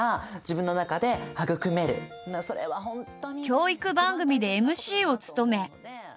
教育番組でＭＣを務め。